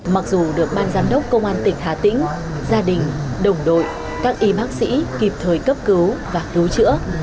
mặc dù được ban giám đốc công an tỉnh hà tĩnh gia đình đồng đội các y bác sĩ kịp thời cấp cứu và cứu chữa